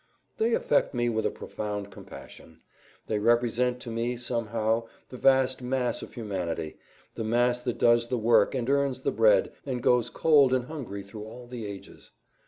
They affect me with a profound compassion; they represent to me, somehow, the vast mass of humanity, the mass that does the work, and earns the bread, and goes cold and hungry through all the ages.